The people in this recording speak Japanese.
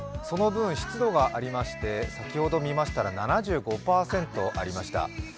その分、湿度がありまして、先ほど見ましたら７５％ありました。